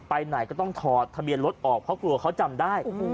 ไปไหนก็ต้องถอดทะเบียนรถออกเพราะกลัวเขาจำได้